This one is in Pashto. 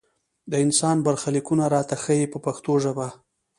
د انسان برخلیکونه راته ښيي په پښتو ژبه.